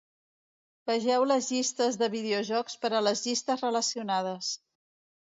Vegeu les llistes de videojocs per a les llistes relacionades.